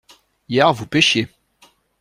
Hier vous pêchiez.